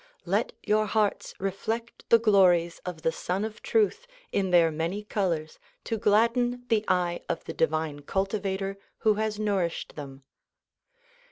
Let your hearts reflect the glories of the Sun of Truth in thoi] many colors to gladden the eye of the divine cultivator who has nourished them.